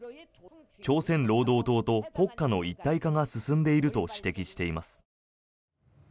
朝鮮労働党と国家の一体化が進んでいると指摘しています。